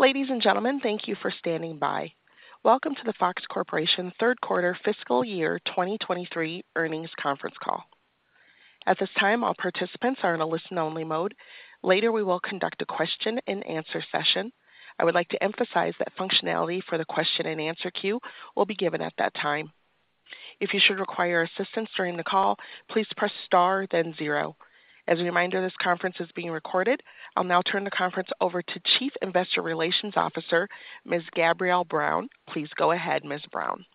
Ladies and gentlemen, thank you for standing by. Welcome to the Fox Corporation third quarter fiscal year 2023 earnings conference call. At this time, all participants are in a listen-only mode. Later, we will conduct a question and answer session. I would like to emphasize that functionality for the question and answer queue will be given at that time. If you should require assistance during the call, please press star then zero. As a reminder, this conference is being recorded. I'll now turn the conference over to Chief Investor Relations Officer, Ms. Gabrielle Brown. Please go ahead, Ms. Brown.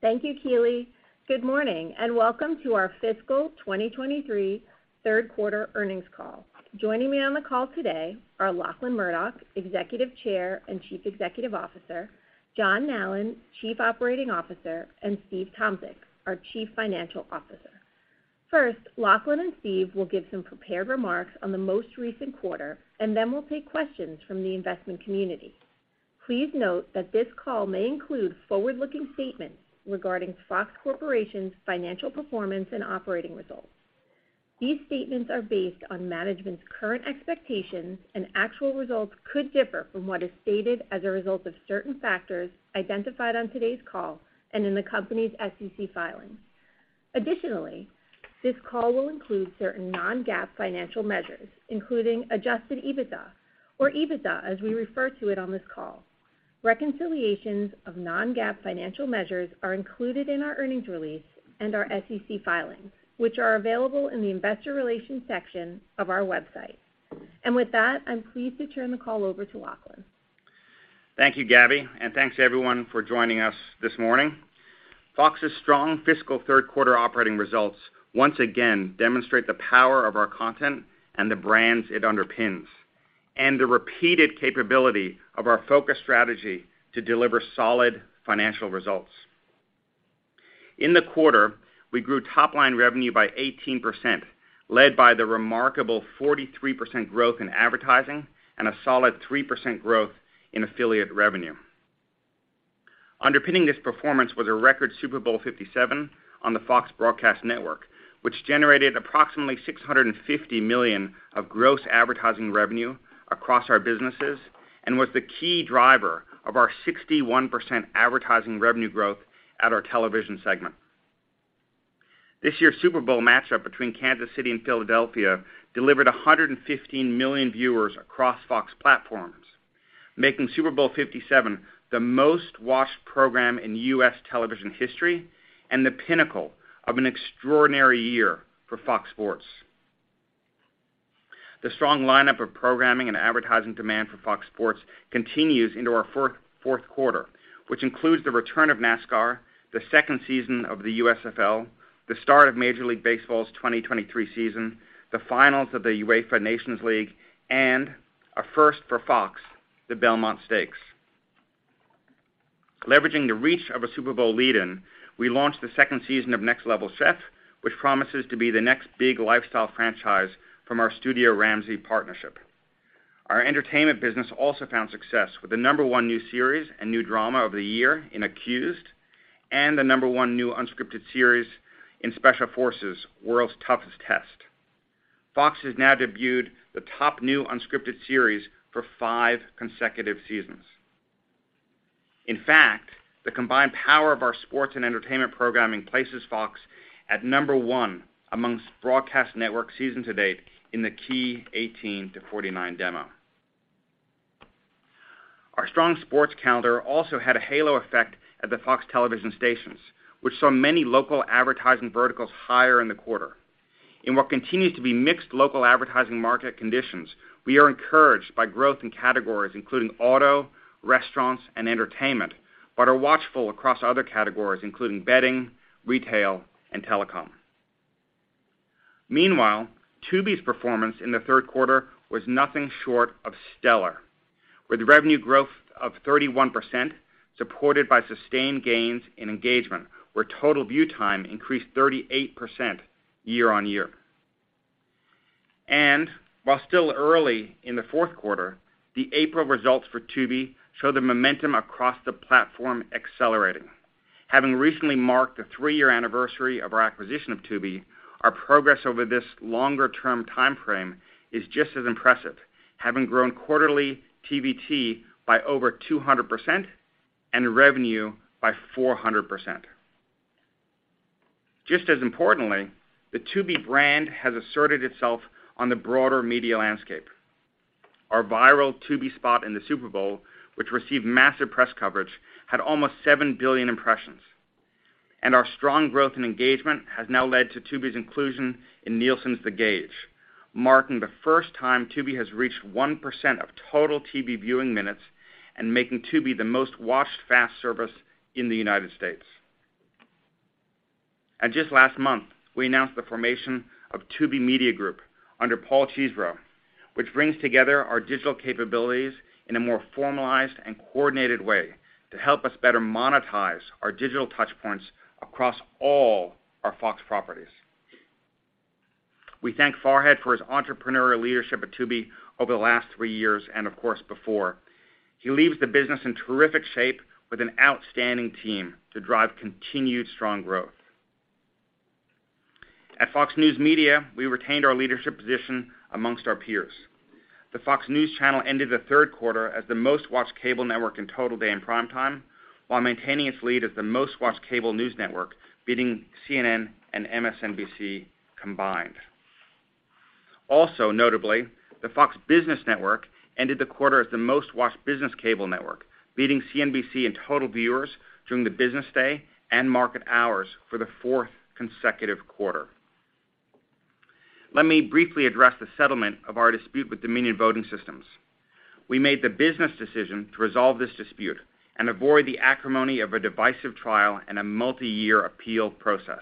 Thank you, Kiley. Good morning, and welcome to our fiscal 2023 third quarter earnings call. Joining me on the call today are Lachlan Murdoch, Executive Chair and Chief Executive Officer, John Nallen, Chief Operating Officer, and Steve Tomsic, our Chief Financial Officer. First, Lachlan and Steve will give some prepared remarks on the most recent quarter, and then we'll take questions from the investment community. Please note that this call may include forward-looking statements regarding Fox Corporation's financial performance and operating results. These statements are based on management's current expectations, and actual results could differ from what is stated as a result of certain factors identified on today's call and in the company's SEC filings. Additionally, this call will include certain non-GAAP financial measures, including adjusted EBITDA, or EBITDA as we refer to it on this call. Reconciliations of non-GAAP financial measures are included in our earnings release and our SEC filings, which are available in the investor relations section of our website. With that, I'm pleased to turn the call over to Lachlan. Thank you, Gabby. Thanks to everyone for joining us this morning. Fox's strong fiscal third quarter operating results once again demonstrate the power of our content and the brands it underpins, and the repeated capability of our focus strategy to deliver solid financial results. In the quarter, we grew top-line revenue by 18%, led by the remarkable 43% growth in advertising and a solid 3% growth in affiliate revenue. Underpinning this performance was a record Super Bowl LVII on the FOX Broadcast Network, which generated approximately $650 million of gross advertising revenue across our businesses and was the key driver of our 61% advertising revenue growth at our television segment. This year's Super Bowl matchup between Kansas City and Philadelphia delivered 115 million viewers across Fox platforms, making Super Bowl LVII the most-watched program in U.S. television history and the pinnacle of an extraordinary year for Fox Sports. The strong lineup of programming and advertising demand for Fox Sports continues into our fourth quarter, which includes the return of NASCAR, the second season of the USFL, the start of Major League Baseball's 2023 season, the finals of the UEFA Nations League, and a first for Fox, the Belmont Stakes. Leveraging the reach of a Super Bowl lead-in, we launched the second season of Next Level Chef, which promises to be the next big lifestyle franchise from our Studio Ramsay partnership. Our entertainment business also found success with the number-one new series and new drama of the year in Accused and the number-one new unscripted series in Special Forces: World's Toughest Test. Fox has now debuted the top new unscripted series for five consecutive seasons. In fact, the combined power of our sports and entertainment programming places Fox at number one amongst broadcast network season to date in the key 18-49 demo. Our strong sports calendar also had a halo effect at the Fox television stations, which saw many local advertising verticals higher in the quarter. In what continues to be mixed local advertising market conditions, we are encouraged by growth in categories including auto, restaurants, and entertainment, but are watchful across other categories including bedding, retail, and telecom. Meanwhile, Tubi's performance in the third quarter was nothing short of stellar, with revenue growth of 31% supported by sustained gains in engagement, where total view time increased 38% year-over-year. While still early in the fourth quarter, the April results for Tubi show the momentum across the platform accelerating. Having recently marked the three-year anniversary of our acquisition of Tubi, our progress over this longer-term timeframe is just as impressive, having grown quarterly TVT by over 200% and revenue by 400%. Just as importantly, the Tubi brand has asserted itself on the broader media landscape. Our viral Tubi spot in the Super Bowl, which received massive press coverage, had almost 7 billion impressions. Our strong growth in engagement has now led to Tubi's inclusion in Nielsen's The Gauge, marking the first time Tubi has reached 1% of total TV viewing minutes and making Tubi the most-watched FAST service in the United States. Just last month, we announced the formation of Tubi Media Group under Paul Cheesbrough, which brings together our digital capabilities in a more formalized and coordinated way to help us better monetize our digital touchpoints across all our Fox properties. We thank Farhad for his entrepreneurial leadership at Tubi over the last three years and of course before. He leaves the business in terrific shape with an outstanding team to drive continued strong growthAt Fox News Media, we retained our leadership position amongst our peers. The FOX News Channel ended the third quarter as the most-watched cable network in total day and prime time, while maintaining its lead as the most-watched cable news network, beating CNN and MSNBC combined. Notably, the FOX Business Network ended the quarter as the most-watched business cable network, beating CNBC in total viewers during the business day and market hours for the fourth consecutive quarter. Let me briefly address the settlement of our dispute with Dominion Voting Systems. We made the business decision to resolve this dispute and avoid the acrimony of a divisive trial and a multi-year appeal process,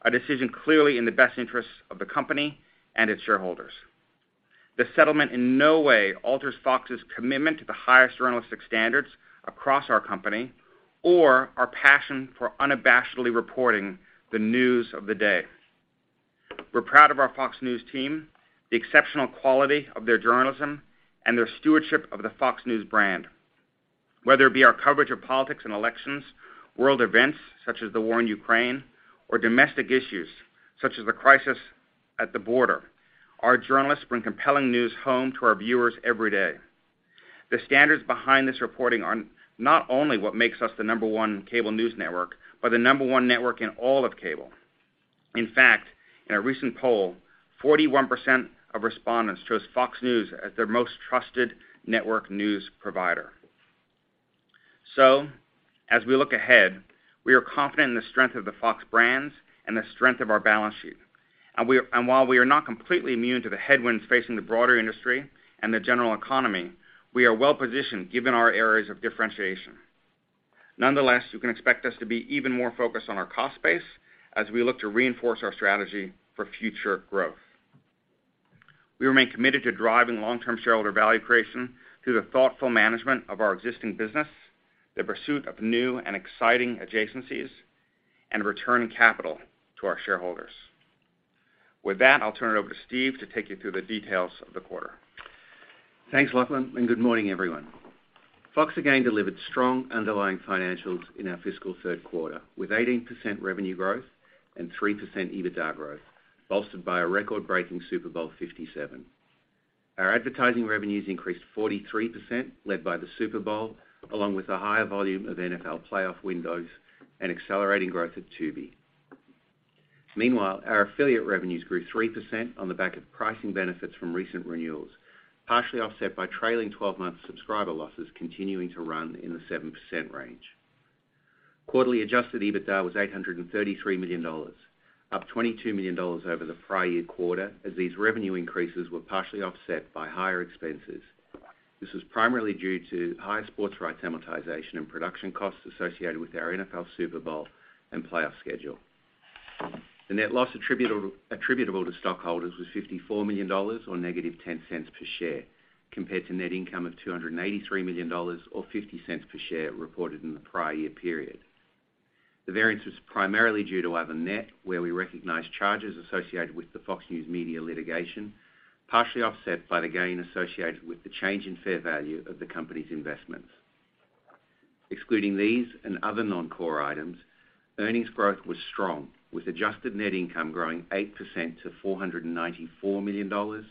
a decision clearly in the best interest of the company and its shareholders. The settlement in no way alters Fox's commitment to the highest journalistic standards across our company or our passion for unabashedly reporting the news of the day. We're proud of our Fox News team, the exceptional quality of their journalism, and their stewardship of the Fox News brand. Whether it be our coverage of politics and elections, world events, such as the war in Ukraine, or domestic issues, such as the crisis at the border, our journalists bring compelling news home to our viewers every day. The standards behind this reporting are not only what makes us the number one cable news network, but the number one network in all of cable. In fact, in a recent poll, 41% of respondents chose Fox News as their most trusted network news provider. As we look ahead, we are confident in the strength of the Fox brands and the strength of our balance sheet. While we are not completely immune to the headwinds facing the broader industry and the general economy, we are well-positioned given our areas of differentiation. Nonetheless, you can expect us to be even more focused on our cost base as we look to reinforce our strategy for future growth. We remain committed to driving long-term shareholder value creation through the thoughtful management of our existing business, the pursuit of new and exciting adjacencies, and returning capital to our shareholders. With that, I'll turn it over to Steve to take you through the details of the quarter. Thanks, Lachlan. Good morning, everyone. Fox again delivered strong underlying financials in our fiscal third quarter, with 18% revenue growth and 3% EBITDA growth, bolstered by a record-breaking Super Bowl LVII. Our advertising revenues increased 43%, led by the Super Bowl, along with a higher volume of NFL playoff windows and accelerating growth at Tubi. Meanwhile, our affiliate revenues grew 3% on the back of pricing benefits from recent renewals, partially offset by trailing 12-month subscriber losses continuing to run in the 7% range. Quarterly adjusted EBITDA was $833 million, up $22 million over the prior year quarter, as these revenue increases were partially offset by higher expenses. This was primarily due to higher sports rights amortization and production costs associated with our NFL Super Bowl and playoff schedule. The net loss attributable to stockholders was $54 million, or -$0.10 per share, compared to net income of $283 million, or $0.50 per share, reported in the prior year period. The variance was primarily due to other net, where we recognized charges associated with the Fox News Media litigation, partially offset by the gain associated with the change in fair value of the company's investments. Excluding these and other non-core items, earnings growth was strong, with adjusted net income growing 8% to $494 million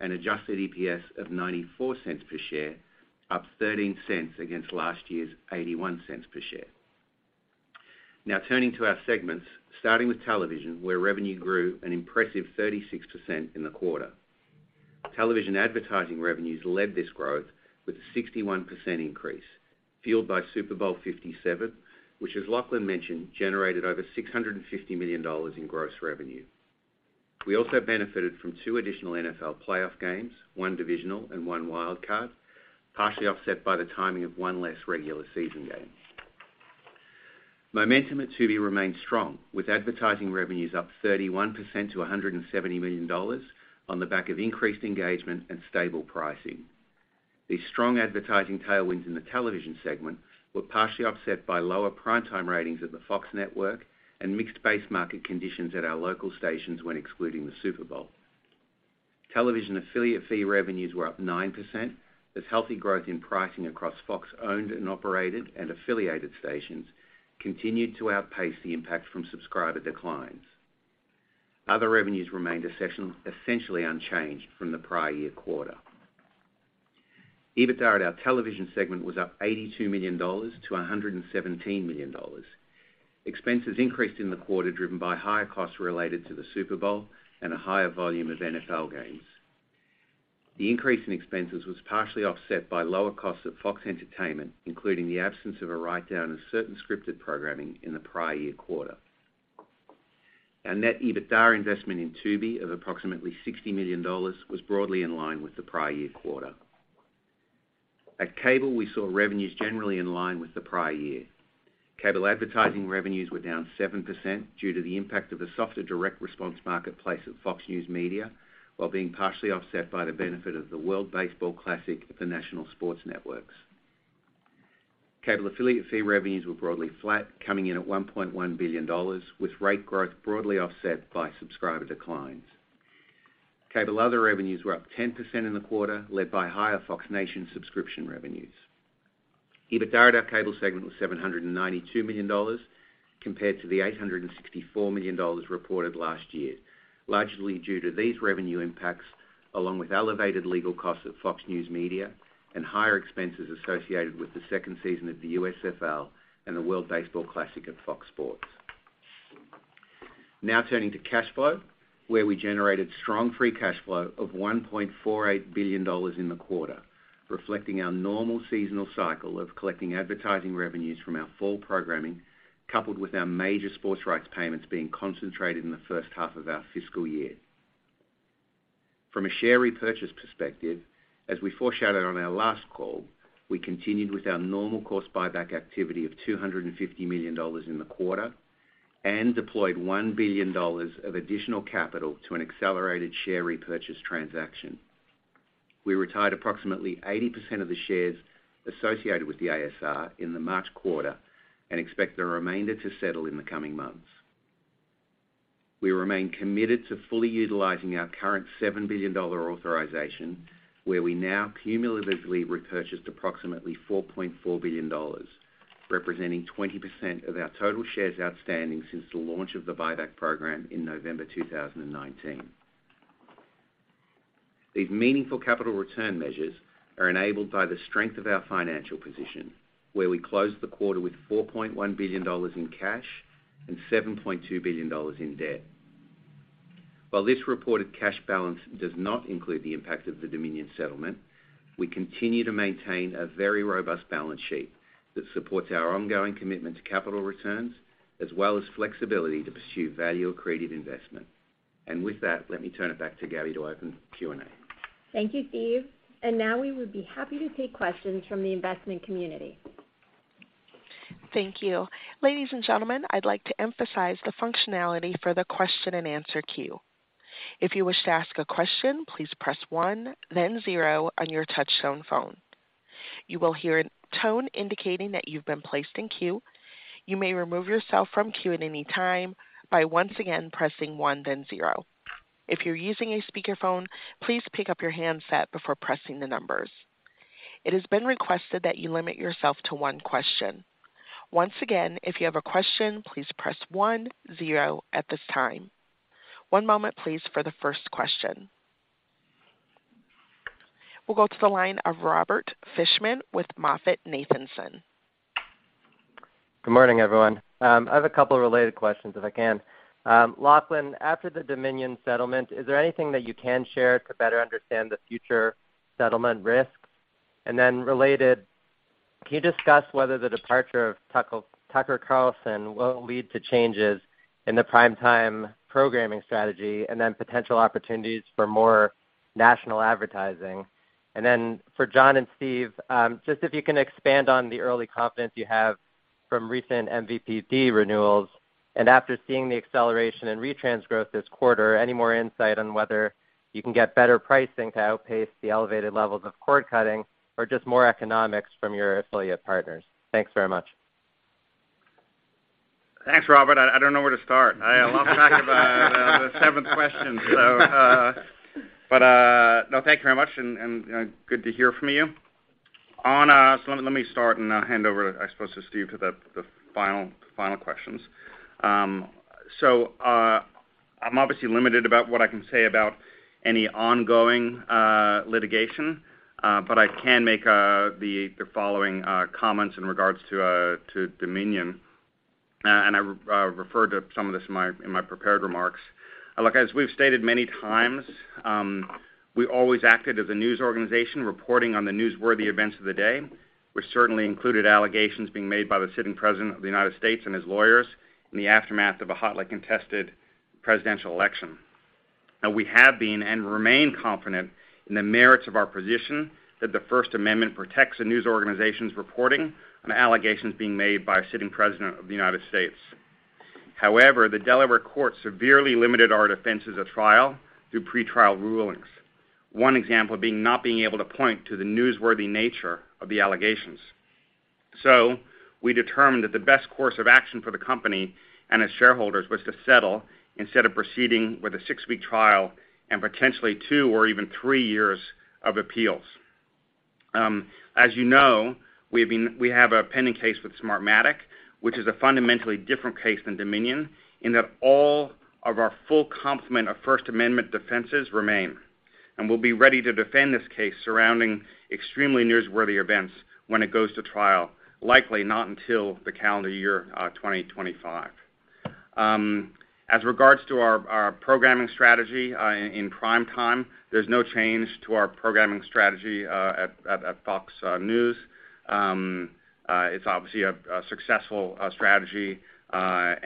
and adjusted EPS of $0.94 per share, up $0.13 against last year's $0.81 per share. Turning to our segments, starting with television, where revenue grew an impressive 36% in the quarter. Television advertising revenues led this growth with a 61% increase, fueled by Super Bowl LVII, which, as Lachlan mentioned, generated over $650 million in gross revenue. We also benefited from two additional NFL playoff games, one divisional and one wild card, partially offset by the timing of one less regular-season game. Momentum at Tubi remained strong, with advertising revenues up 31% to $170 million on the back of increased engagement and stable pricing. These strong advertising tailwinds in the television segment were partially offset by lower primetime ratings at the Fox network and mixed base market conditions at our local stations when excluding the Super Bowl. Television affiliate fee revenues were up 9%, with healthy growth in pricing across Fox owned and operated and affiliated stations continued to outpace the impact from subscriber declines. Other revenues remained essentially unchanged from the prior year quarter. EBITDA at our television segment was up $82 million-$117 million. Expenses increased in the quarter, driven by higher costs related to the Super Bowl and a higher volume of NFL games. The increase in expenses was partially offset by lower costs at FOX Entertainment, including the absence of a write-down of certain scripted programming in the prior year quarter. Our net EBITDA investment in Tubi of approximately $60 million was broadly in line with the prior year quarter. At Cable, we saw revenues generally in line with the prior year. Cable advertising revenues were down 7% due to the impact of a softer direct response marketplace at FOX News Media, while being partially offset by the benefit of the World Baseball Classic at the national sports networks. Cable affiliate fee revenues were broadly flat, coming in at $1.1 billion, with rate growth broadly offset by subscriber declines. Cable other revenues were up 10% in the quarter, led by higher FOX Nation subscription revenues. EBITDA at our cable segment was $792 million compared to the $864 million reported last year, largely due to these revenue impacts, along with elevated legal costs at FOX News Media and higher expenses associated with the second season of the USFL and the World Baseball Classic at FOX Sports. Turning to cash flow, where we generated strong free cash flow of $1.48 billion in the quarter, reflecting our normal seasonal cycle of collecting advertising revenues from our fall programming, coupled with our major sports rights payments being concentrated in the first half of our fiscal year. From a share repurchase perspective, as we foreshadowed on our last call, we continued with our normal course buyback activity of $250 million in the quarter and deployed $1 billion of additional capital to an accelerated share repurchase transaction. We retired approximately 80% of the shares associated with the ASR in the March quarter and expect the remainder to settle in the coming months. We remain committed to fully utilizing our current $7 billion authorization, where we now cumulatively repurchased approximately $4.4 billion, representing 20% of our total shares outstanding since the launch of the buyback program in November 2019. These meaningful capital return measures are enabled by the strength of our financial position, where we closed the quarter with $4.1 billion in cash and $7.2 billion in debt. While this reported cash balance does not include the impact of the Dominion settlement, we continue to maintain a very robust balance sheet that supports our ongoing commitment to capital returns, as well as flexibility to pursue value-accreted investment. With that, let me turn it back to Gabby to open Q&A. Thank you, Steve. Now we would be happy to take questions from the investment community. Thank you. Ladies and gentlemen, I'd like to emphasize the functionality for the question-and-answer queue. If you wish to ask a question, please press one, then zero on your touchtone phone. You will hear a tone indicating that you've been placed in queue. You may remove yourself from queue at any time by once again pressing one, then zero. If you're using a speakerphone, please pick up your handset before pressing the numbers. It has been requested that you limit yourself to one question. Once again, if you have a question, please press one, zero at this time. One moment, please, for the first question. We'll go to the line of Robert Fishman with MoffettNathanson. Good morning, everyone. I have a couple of related questions, if I can. Lachlan, after the Dominion settlement, is there anything that you can share to better understand the future settlement risk? Related, can you discuss whether the departure of Tucker Carlson will lead to changes in the prime-time programming strategy and then potential opportunities for more national advertising? For John and Steve, just if you can expand on the early confidence you have from recent MVPD renewals. After seeing the acceleration in retrans growth this quarter, any more insight on whether you can get better pricing to outpace the elevated levels of cord cutting or just more economics from your affiliate partners? Thanks very much. Thanks, Robert. I don't know where to start. I lost track of the seventh question. No, thank you very much and good to hear from you. Let me start and hand over, I suppose, to Steve for the final questions. I'm obviously limited about what I can say about any ongoing litigation, but I can make the following comments in regards to Dominion. I refer to some of this in my prepared remarks. Look, as we've stated many times, we always acted as a news organization reporting on the newsworthy events of the day, which certainly included allegations being made by the sitting president of the United States and his lawyers in the aftermath of a hotly contested presidential election. We have been and remain confident in the merits of our position that the First Amendment protects a news organization's reporting on allegations being made by a sitting president of the United States. The Delaware court severely limited our defenses at trial through pretrial rulings. One example being not being able to point to the newsworthy nature of the allegations. We determined that the best course of action for the company and its shareholders was to settle instead of proceeding with a six-week trial and potentially two or even three years of appeals. As you know, we have a pending case with Smartmatic, which is a fundamentally different case than Dominion, in that all of our full complement of First Amendment defenses remain. We'll be ready to defend this case surrounding extremely newsworthy events when it goes to trial, likely not until the calendar year 2025. As regards to our programming strategy, in prime time, there's no change to our programming strategy at Fox News. It's obviously a successful strategy. As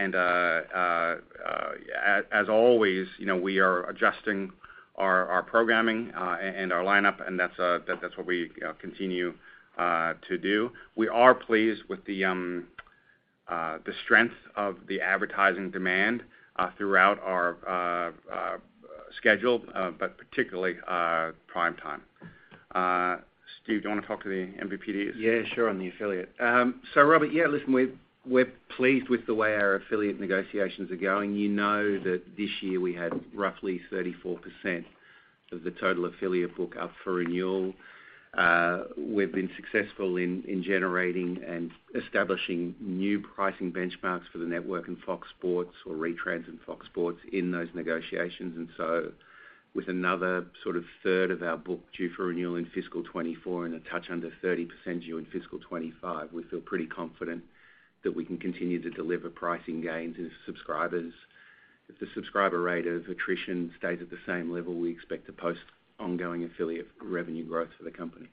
always, you know, we are adjusting our programming and our lineup, and that's what we continue to do. We are pleased with the strength of the advertising demand throughout our schedule, but particularly prime time. Steve, do you wanna talk to the MVPDs? Yeah, sure, on the affiliate. Robert, yeah, listen, we're pleased with the way our affiliate negotiations are going. You know that this year we had roughly 34% of the total affiliate book up for renewal. We've been successful in generating and establishing new pricing benchmarks for the network and Fox Sports or retrans and Fox Sports in those negotiations. With another sort of third of our book due for renewal in fiscal 2024 and a touch under 30% due in fiscal 2025, we feel pretty confident that we can continue to deliver pricing gains as subscribers. If the subscriber rate of attrition stays at the same level, we expect to post ongoing affiliate revenue growth for the company.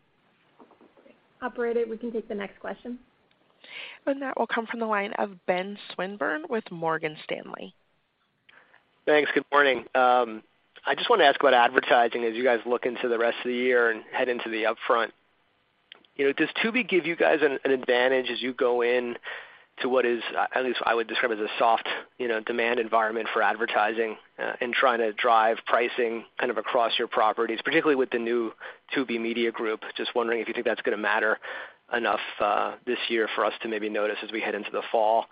Operator, we can take the next question. That will come from the line of Ben Swinburne with Morgan Stanley. Thanks. Good morning. I just wanna ask about advertising as you guys look into the rest of the year and head into the upfront. You know, does Tubi give you guys an advantage as you go in to what is, at least I would describe as a soft, you know, demand environment for advertising, in trying to drive pricing kind of across your properties, particularly with the new Tubi Media Group? Just wondering if you think that's gonna matter enough this year for us to maybe notice as we head into the fall?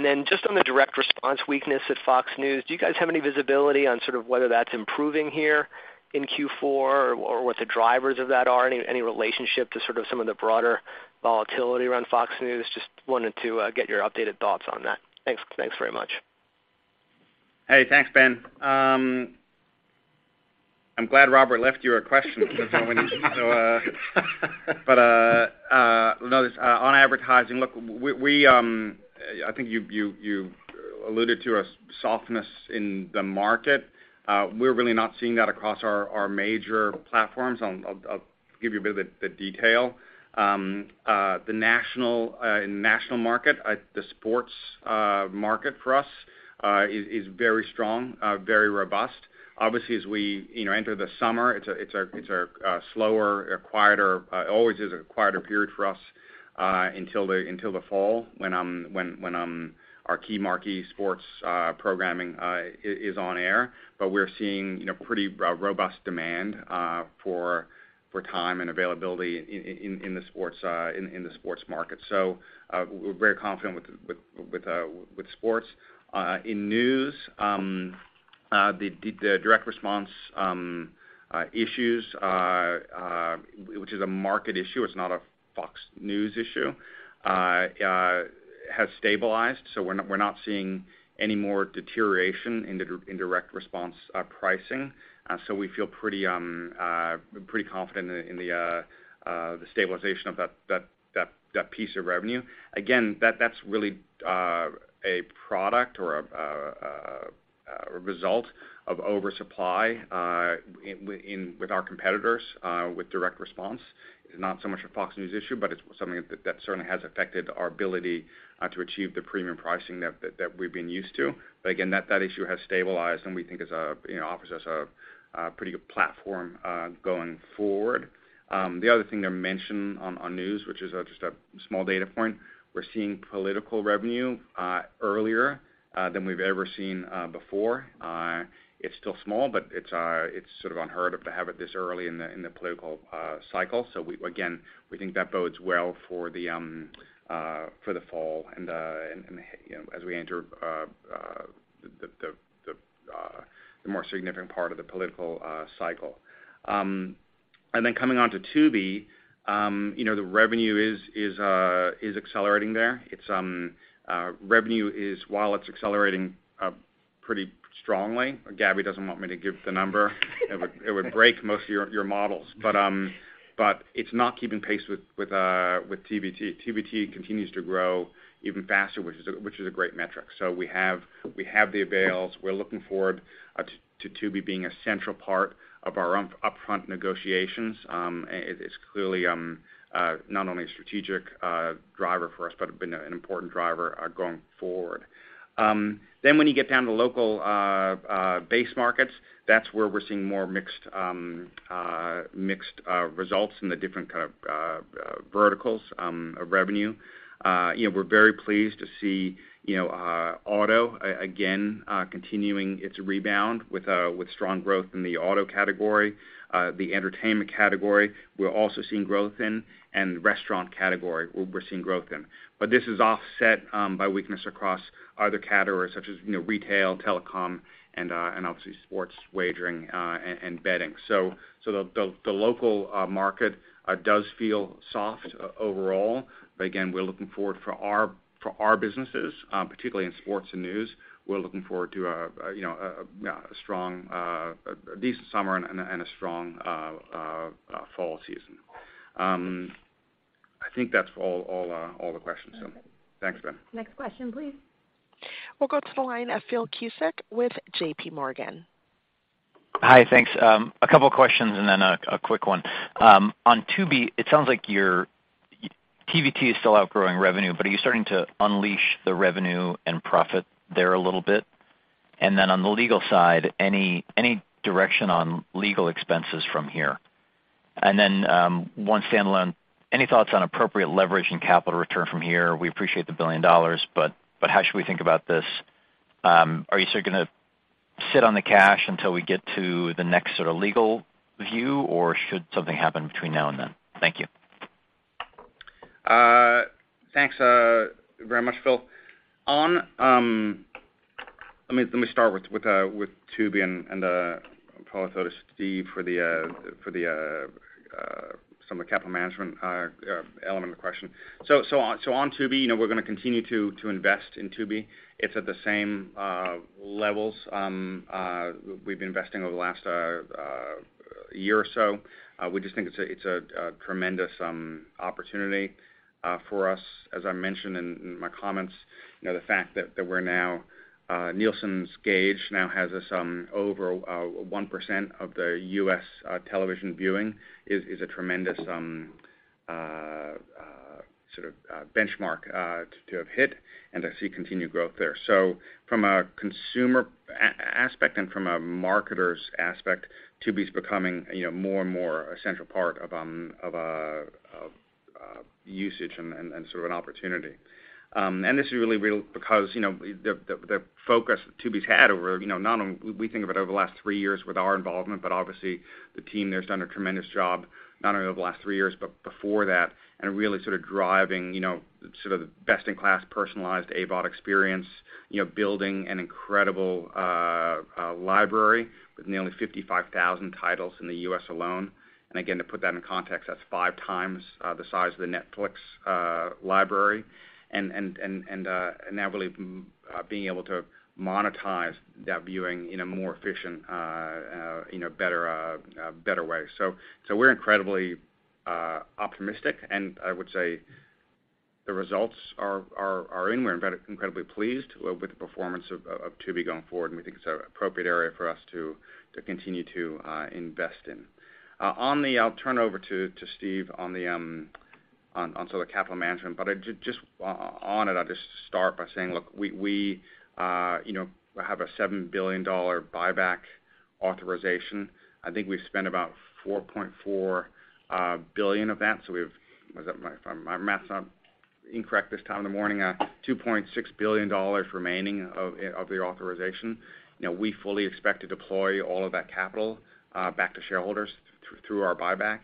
Then just on the direct response weakness at Fox News, do you guys have any visibility on sort of whether that's improving here in Q4 or what the drivers of that are? Any, any relationship to sort of some of the broader volatility around Fox News? Just wanted to get your updated thoughts on that. Thanks. Thanks very much. Hey, thanks, Ben. I'm glad Robert left you a question because. No, just, on advertising, look, we, I think you've alluded to a softness in the market. We're really not seeing that across our major platforms. I'll give you a bit of the detail. The national market, the sports market for us, is very strong, very robust. Obviously, as we, you know, enter the summer, it's a slower, quieter, always is a quieter period for us, until the fall when our key marquee sports programming is on air. We're seeing, you know, pretty robust demand for time and availability in the sports market. We're very confident with sports. In news, the direct response issues are which is a market issue, it's not a Fox News issue, has stabilized, so we're not seeing any more deterioration in direct response pricing. We feel pretty confident in the stabilization of that piece of revenue. Again, that's really a product or a result of oversupply in with our competitors with direct response. It's not so much a Fox News issue, it's something that certainly has affected our ability to achieve the premium pricing that we've been used to. Again, that issue has stabilized, and we think is, you know, offers us a pretty good platform going forward. The other thing to mention on news, which is just a small data point, we're seeing political revenue earlier than we've ever seen before. It's still small, but it's sort of unheard of to have it this early in the political cycle. Again, we think that bodes well for the fall and, you know, as we enter the more significant part of the political cycle. Then coming on to Tubi, you know, the revenue is accelerating there. Revenue is, while it's accelerating pretty strongly, Gabby doesn't want me to give the number. It would break most of your models. It's not keeping pace with TVT. TVT continues to grow even faster, which is a great metric. We have the avails. We're looking forward to Tubi being a central part of our upfront negotiations. It is clearly not only a strategic driver for us, but an important driver going forward. Then when you get down to local base markets, that's where we're seeing more mixed mixed results in the different kind of verticals of revenue. You know, we're very pleased to see, you know, auto again, continuing its rebound with strong growth in the auto category. The entertainment category, we're also seeing growth in, and restaurant category we're seeing growth in. But this is offset by weakness across other categories such as, you know, retail, telecom, and obviously sports wagering and betting. So the local market does feel soft overall. But again, we're looking forward for our businesses, particularly in sports and news. We're looking forward to, you know, a strong, a decent summer and a strong, fall season. I think that's all the questions. Thanks, Ben. Next question, please. We'll go to the line of Phil Cusick with JPMorgan. Hi. Thanks. A couple questions and then a quick one. On Tubi, it sounds like your TVT is still outgrowing revenue, but are you starting to unleash the revenue and profit there a little bit? On the legal side, any direction on legal expenses from here? One standalone. Any thoughts on appropriate leverage and capital return from here? We appreciate the $1 billion, but how should we think about this? Are you still gonna sit on the cash until we get to the next sort of legal view, or should something happen between now and then? Thank you. Thanks, very much, Phil. On, let me start with Tubi and I'll throw this to Steve for some of the capital management element of the question. On Tubi, you know, we're gonna continue to invest in Tubi. It's at the same levels we've been investing over the last year or so. We just think it's a tremendous opportunity for us. As I mentioned in my comments, you know, the fact that we're now Nielsen's The Gauge now has us on over 1% of the U.S. television viewing is a tremendous sort of benchmark to have hit and to see continued growth there. From a consumer aspect and from a marketer's aspect, Tubi's becoming, you know, more and more a central part of a usage and sort of an opportunity. This is really real because, you know, the focus Tubi's had over, you know, not only we think of it over the last three years with our involvement, but obviously the team there has done a tremendous job, not only over the last three years, but before that and really sort of driving, you know, sort of best in class personalized AVOD experience, you know, building an incredible library with nearly 55,000 titles in the U.S. alone. Again, to put that in context, that's five times the size of the Netflix library and now really being able to monetize that viewing in a more efficient, better way. We're incredibly optimistic, and I would say the results are in. We're incredibly pleased with the performance of Tubi going forward, and we think it's an appropriate area for us to continue to invest in. I'll turn over to Steve on sort of capital management. I'll just start by saying, look, we have a $7 billion buyback authorization. I think we've spent about $4.4 billion of that. If my math not incorrect this time in the morning, $2.6 billion remaining of the authorization. You know, we fully expect to deploy all of that capital back to shareholders through our buyback.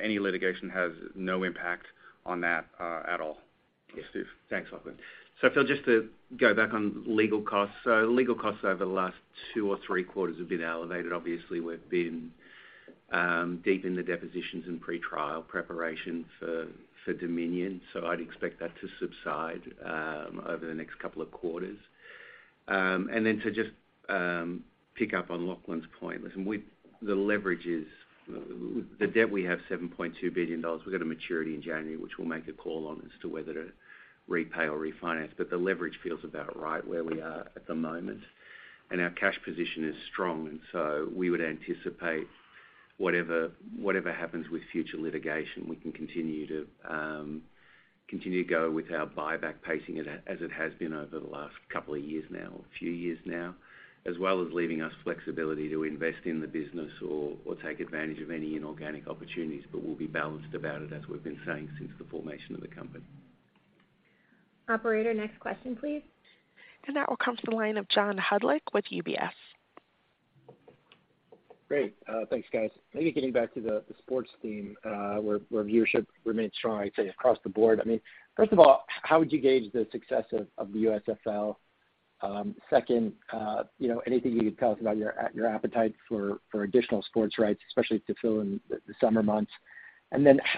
Any litigation has no impact on that at all. Steve? Thanks, Lachlan. Phil, just to go back on legal costs. Legal costs over the last two or three quarters have been elevated. Obviously, we've been deep in the depositions and pretrial preparation for Dominion. I'd expect that to subside over the next couple of quarters. Then to just pick up on Lachlan's point. Listen, the leverage is. The debt, we have $7.2 billion. We've got a maturity in January, which we'll make a call on as to whether to repay or refinance. The leverage feels about right where we are at the moment, and our cash position is strong. We would anticipate whatever happens with future litigation, we can continue to go with our buyback pacing as it has been over the last couple of years now or few years now, as well as leaving us flexibility to invest in the business or take advantage of any inorganic opportunities. We'll be balanced about it, as we've been saying since the formation of the company. Operator, next question, please. That will come to the line of John Hodulik with UBS. Great. Thanks, guys. Maybe getting back to the sports theme, where viewership remains strong, I'd say across the board. I mean, first of all, how would you gauge the success of the USFL? Second, you know, anything you could tell us about your appetite for additional sports rights, especially to fill in the summer months?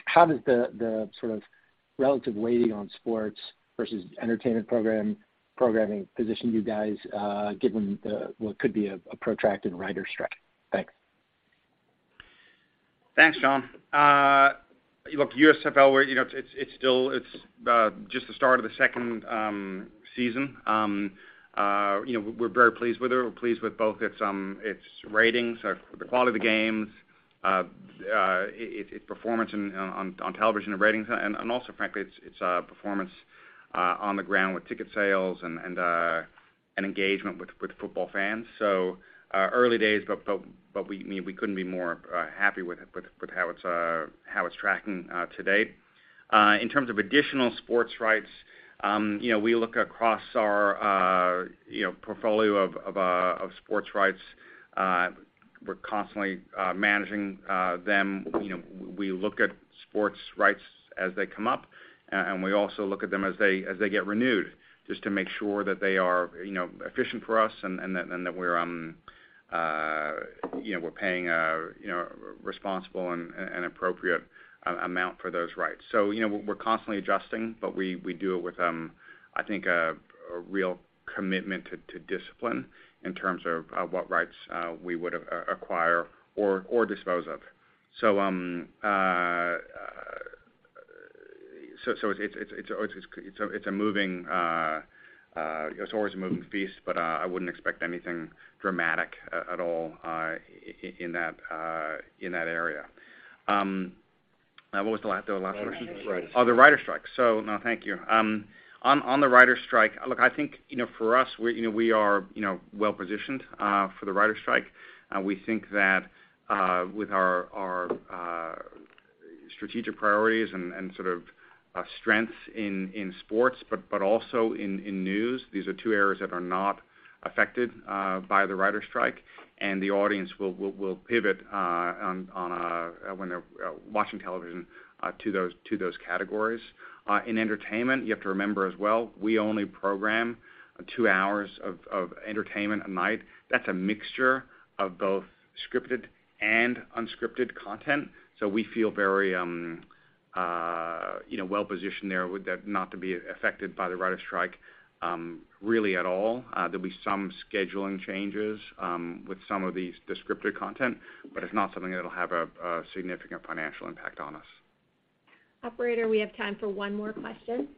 How does the sort of relative weighting on sports versus entertainment programming position you guys, given the, what could be a protracted writers' strike? Thanks. Thanks, John. look, USFL, where, you know, it's still just the start of the second season. you know, we're very pleased with it. We're pleased with both its ratings or the quality of the games, its performance on television and ratings and also frankly, its performance on the ground with ticket sales and engagement with football fans. early days, but we, you know, we couldn't be more happy with how it's tracking to date. In terms of additional sports rights, you know, we look across our, you know, portfolio of sports rights. We're constantly managing them. You know, we look at sports rights as they come up, and we also look at them as they get renewed, just to make sure that they are, you know, efficient for us and that, and that we're, you know, we're paying a, you know, responsible and appropriate amount for those rights. You know, we're constantly adjusting, but we do it with, I think a real commitment to discipline in terms of what rights we would acquire or dispose of. So it's a moving. It's always a moving feast, but I wouldn't expect anything dramatic at all in that area. What was the last question? Writers' strike. Oh, the writers' strike. No, thank you. on the writers' strike, look, I think, you know, for us, we, you know, we are, you know, well-positioned, for the writers' strike. We think that, with our Strategic priorities and sort of strength in sports, but also in news. These are two areas that are not affected by the writers' strike, and the audience will pivot on when they're watching television to those categories. In entertainment, you have to remember as well, we only program two hours of entertainment a night. That's a mixture of both scripted and unscripted content. We feel very, you know, well-positioned there with that not to be affected by the writers' strike really at all. There'll be some scheduling changes, with some of these descriptive content, but it's not something that'll have a significant financial impact on us. Operator, we have time for one more question.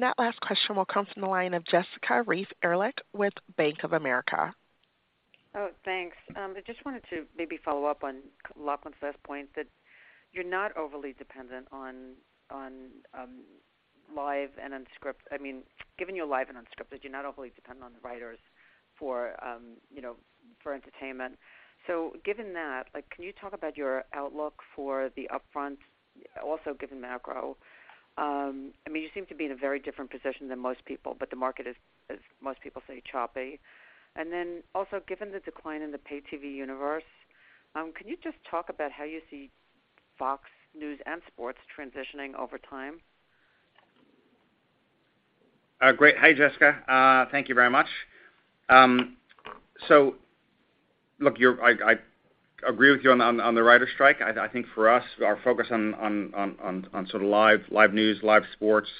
That last question will come from the line of Jessica Reif Ehrlich with Bank of America. Oh, thanks. I just wanted to maybe follow up on Lachlan's last point that you're not overly dependent on, I mean, given you're live and unscripted, you're not overly dependent on the writers for, you know, for entertainment. Given that, like, can you talk about your outlook for the upfronts also given macro? I mean, you seem to be in a very different position than most people, but the market is, as most people say, choppy. Also, given the decline in the paid TV universe, can you just talk about how you see Fox News and sports transitioning over time? Great. Hi, Jessica. Thank you very much. Look, I agree with you on the writers strike. I think for us, our focus on sort of live news, live sports,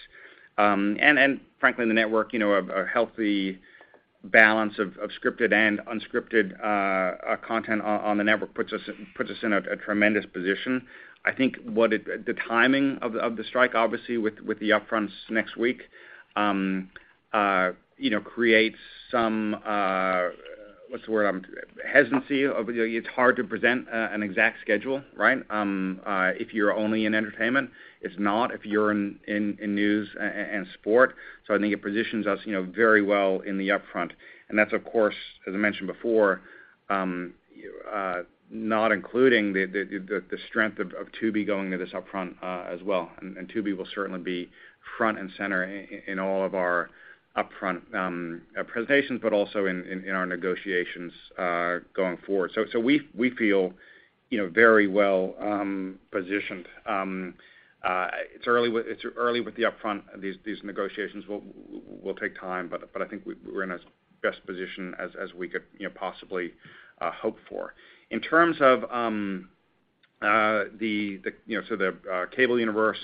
and frankly, the network, you know, a healthy balance of scripted and unscripted content on the network puts us in a tremendous position. I think the timing of the strike, obviously with the upfronts next week, you know, creates some, what's the word I'm... Hesitancy. It's hard to present an exact schedule, right? If you're only in entertainment. It's not if you're in news and sport. I think it positions us, you know, very well in the upfront. That's of course, as I mentioned before, not including the strength of Tubi going to this upfront as well. Tubi will certainly be front and center in all of our upfront presentations, but also in our negotiations going forward. We feel, you know, very well positioned. It's early with the upfront. These negotiations will take time, but I think we're in as best position as we could, you know, possibly hope for. In terms of the, you know, so the cable universe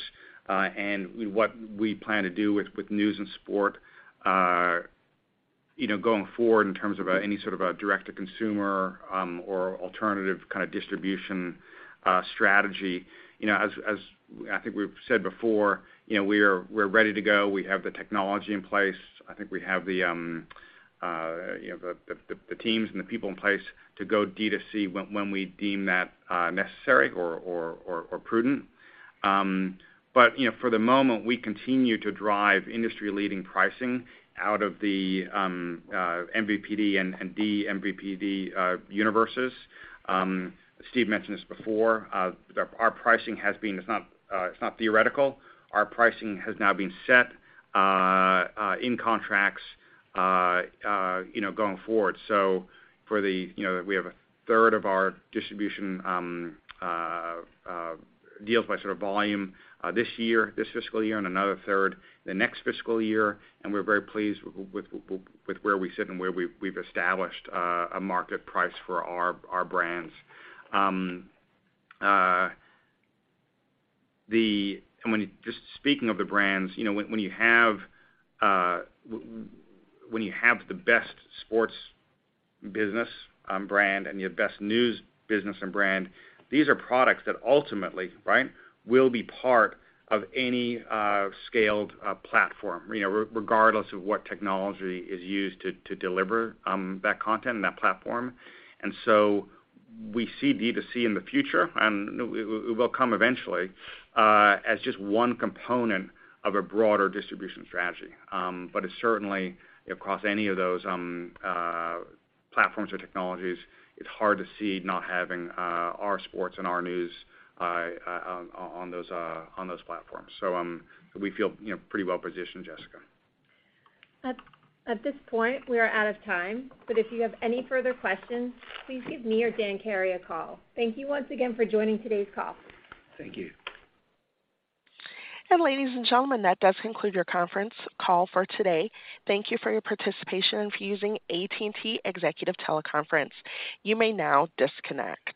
and what we plan to do with news and sport, you know, going forward in terms of any sort of a direct to consumer or alternative kind of distribution strategy. You know, as I think we've said before, you know, we're ready to go. We have the technology in place. I think we have the, you know, the teams and the people in place to go D2C when we deem that necessary or prudent. But, you know, for the moment, we continue to drive industry-leading pricing out of the MVPD and vMVPD universes. Steve mentioned this before. It's not theoretical. Our pricing has now been set in contracts, you know, going forward. You know, we have a third of our distribution deals by sort of volume this year, this fiscal year, and another third the next fiscal year, and we're very pleased with where we sit and where we've established a market price for our brands. Just speaking of the brands, you know, when you have the best sports business brand and the best news business and brand, these are products that ultimately, right, will be part of any scaled platform, you know, regardless of what technology is used to deliver that content and that platform. We see D2C in the future, and it will, it will come eventually as just one component of a broader distribution strategy. It's certainly across any of those platforms or technologies. It's hard to see not having our sports and our news on those platforms. We feel pretty well positioned, Jessica. At this point, we are out of time, but if you have any further questions, please give me or Dan Carey a call. Thank you once again for joining today's call. Thank you. Ladies and gentlemen, that does conclude your conference call for today. Thank you for your participation and for using AT&T Executive Teleconference. You may now disconnect.